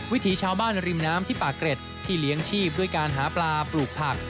วิถีชาวบ้านริมน้ำที่ป่าเกร็ดที่เลี้ยงชีพด้วยการหาปลาปลูกผัก